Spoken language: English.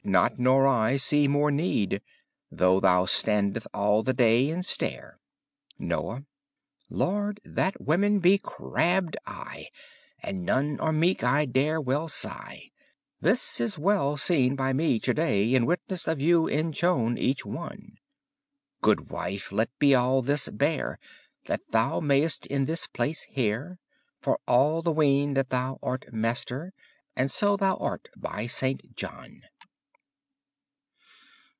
not or I see more neede, Though thou stande all the daye and stare. Noye Lorde, that wemen be crabbed aye, And non are meke, I dare well saye. This is well seene by me to daye, In witnesse of you ichone (each one). Goodwiffe, lett be all this beare, That thou maiste in this place heare; For all the wene that thou arte maister, And so thou arte, by Sante John!